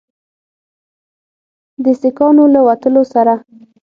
د سیکانو له وتلو سره